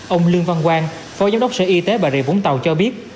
ông lương văn quang phó giám đốc sở y tế bà rịa vũng tàu cho biết